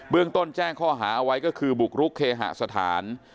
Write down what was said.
เรื่องต้นแจ้งข้อหาเอาไว้ก็คือบุกรุกเคหสถาน